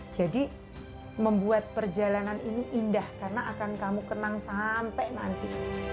jadi membuat perjalanan ini indah karena akan kamu kenang sampai nanti